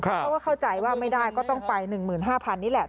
เพราะว่าเข้าใจว่าไม่ได้ก็ต้องไป๑๕๐๐นี่แหละ